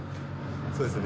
そうですね。